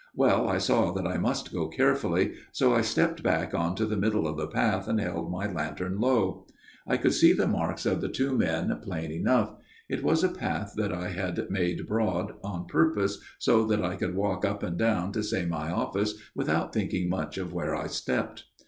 Well, I saw that I must go carefully ; so I stepped back on to the middle of the path, and held my lantern low. 182 A MIRROR OF SHALOTT " I could see the marks of the two men plain enough ; it was a path that I had made broad on purpose so that I could walk up and down to say my office without thinking much of where I stepped.